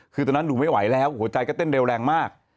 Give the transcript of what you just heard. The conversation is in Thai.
คือตอนนั้นหนูไม่ไหวแล้วหัวใจก็เต้นเร็วแรงมาก